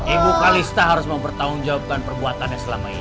ibu kalista harus mempertahun jawabkan perbuatannya selama ini